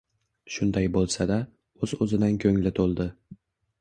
Shunday bo‘lsa-da, o‘z-o‘zidan ko‘ngli to‘ldi.